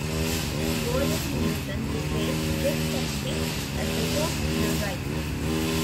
Gordon Henderson replaced Jeff Sacktig as the corps' drill writer.